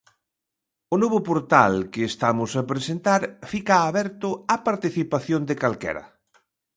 O novo portal que estamos a presentar fica aberto á participación de calquera.